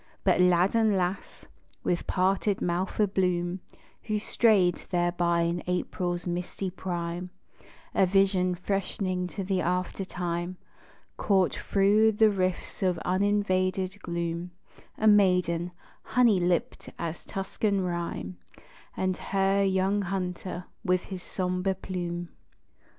But lad and lass, with parted mouth a bloom, Who strayed thereby in April's misty prime, A vision freshening to the after time Caught thro' the rifts of uninvaded gloom, A maiden, honey lipped as Tuscan rhyme, And her young hunter, with his sombre plume.